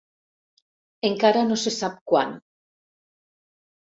Encara no se sap quan.